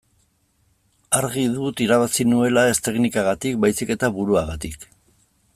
Argi dut irabazi nuela ez teknikagatik baizik eta buruagatik.